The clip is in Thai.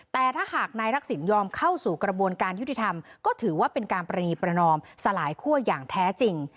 แต่ถ้าหากนายทักษิณยอมเข้าสู่กระบวนการยุติธรรมก็ถือว่าเป็นการปรณีประนอมสลายคั่วอย่างแท้จริง